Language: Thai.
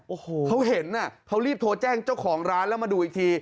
โอ้โหเขาเห็นอ่ะเขารีบโทรแจ้งเจ้าของร้านแล้วมาดูอีกที